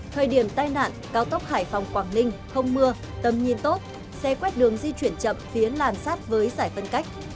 thời điểm tai nạn cao tốc hải phòng quảng ninh không mưa tầm nhìn tốt xe quét đường di chuyển chậm phía làn sát với giải phân cách